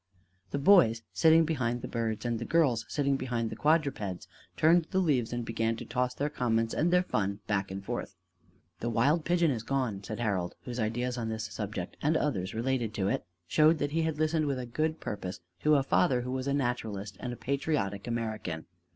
The boys, sitting behind the Birds, and the girls sitting behind the Quadrupeds, turned the leaves and began to toss their comments and their fun back and forth. "The wild pigeon is gone," said Harold, whose ideas on this subject and others related to it showed that he had listened with a good purpose to a father who was a naturalist and patriotic American.